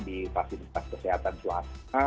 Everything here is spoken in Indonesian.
di fasilitas kesehatan swasta